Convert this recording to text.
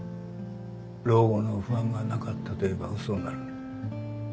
老後の不安がなかったと言えば嘘になる。